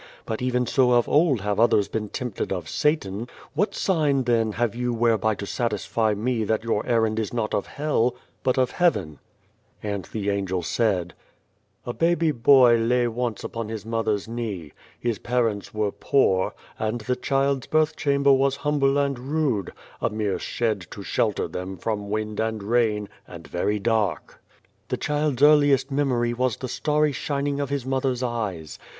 But even so of old have others been tempted of Satan. What sign then have you whereby to satisfy me that your errand is not of Hell, but of Heaven ?" And the Angel said :" A baby boy lay once upon his mother's knee. His parents were poor, and the child's birth chamber was humble and rude a mere shed to shelter them from wind and rain and very dark. " The child's earliest memory was the starry shining of his mother's eyes.